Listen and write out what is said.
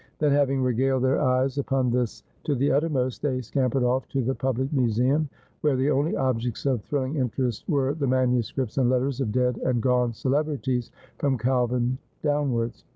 Then, having regaled their eyes upon this to the uttermost, they scampered t ff to the public museum, where the only objects of thrilling interest were the manuscripts and letters of dead and gone celebrities, from Calvin downwards.